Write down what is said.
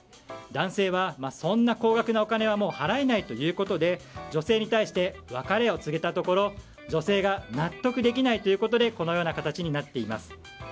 男性はそんな高額なお金はもう払えないということで女性に対して別れを告げたところ女性が納得できないということでこのような形になっています。